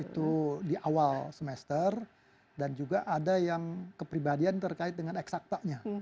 itu di awal semester dan juga ada yang kepribadian terkait dengan eksaktanya